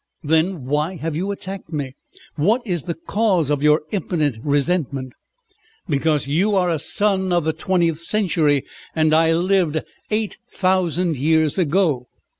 "Then why have you attacked me? What is the cause of your impotent resentment?" "Because you are a son of the twentieth century, and I lived eight thousand years ago.